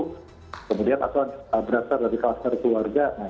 kemudian atau berasal dari kluster keluarga